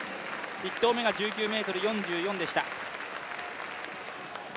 １投目が１９ｍ４４でした。